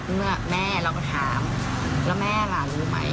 เมื่อแม่เราก็ถามแล้วแม่ล่ะรู้ไหม